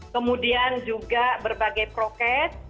kemudian juga berbagai prokes